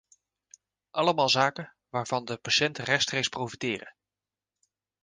Allemaal zaken waarvan de patiënten rechtstreeks profiteren.